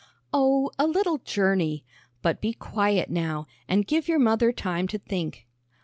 "Oh, a little journey. But be quiet now, and give your mother time to think."